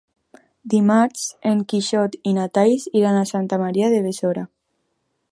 Dimarts en Quixot i na Thaís iran a Santa Maria de Besora.